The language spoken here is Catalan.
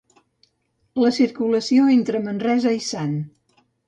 La circulació entre Manresa i Sant.